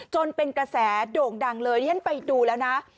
จนเป็นกระแสโด่งดังเลยที่ฉันไปดูแล้วนะ